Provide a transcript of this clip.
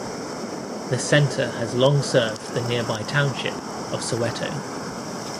The centre has long served the nearby township of Soweto.